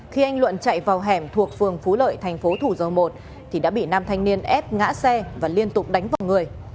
khi anh luận chạy vào hẻm thuộc phường phú lợi thành phố thủ dầu một thì đã bị nam thanh niên ép ngã xe và liên tục đánh vào người